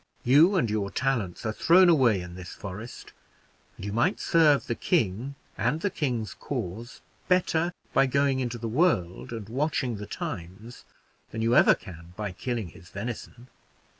You and your talents are thrown away in this forest; and you might serve the king and the king's cause better by going into the world and watching the times than you ever can by killing his venison."